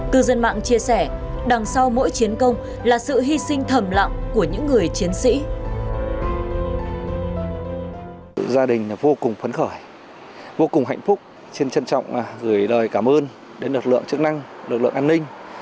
cư dân mạng chia sẻ đằng sau mỗi chiến công là sự hy sinh thầm lặng của những người chiến sĩ